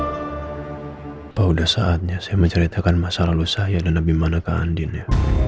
apa udah saatnya saya menceritakan masa lalu saya dan abimana ke andin ya